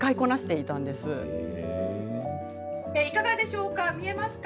いかがでしょうか。